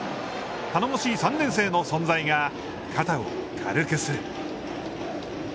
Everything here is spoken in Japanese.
頼もしい３年生の存在が肩を軽くする。